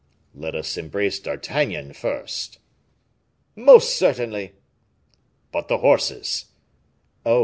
"Let us embrace D'Artagnan first." "Most certainly." "But the horses?" "Oh!